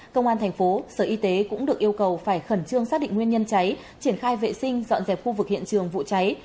công an thành phố sở y tế cũng được yêu cầu phải khẩn trương xác định nguyên nhân cháy triển khai vệ sinh dọn dẹp khu vực hiện trường vụ cháy